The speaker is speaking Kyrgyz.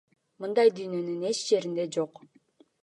Мындай дүйнөнүн эч жеринде жок.